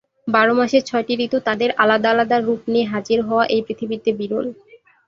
বারো মাসে ছয়টি ঋতু তাদের আলাদা আলাদা রূপ নিয়ে হাজির হওয়া এই পৃথিবীতে বিরল।